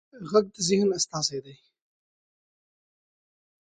غږ د ذهن استازی دی